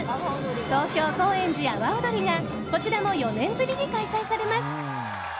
東京高円寺阿波おどりがこちらも４年ぶりに開催されます。